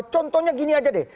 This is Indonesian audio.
contohnya gini aja deh